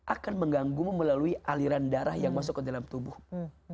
akan mengganggumu melalui aliran darah yang masuk ke dalam tubuhmu